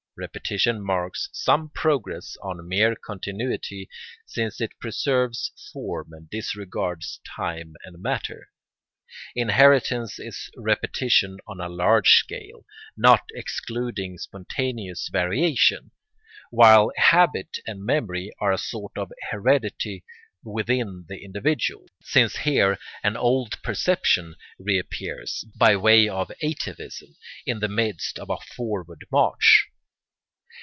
Repetition marks some progress on mere continuity, since it preserves form and disregards time and matter. Inheritance is repetition on a larger scale, not excluding spontaneous variations; while habit and memory are a sort of heredity within the individual, since here an old perception reappears, by way of atavism, in the midst of a forward march.